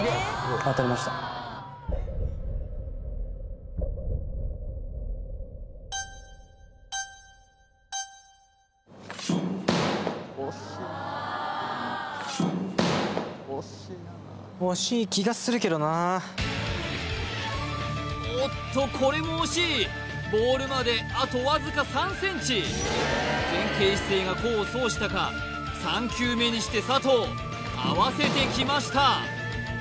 当たりました惜しいなおっとこれも惜しいボールまであとわずか３ｃｍ前傾姿勢が功を奏したか３球目にして佐藤合わせてきました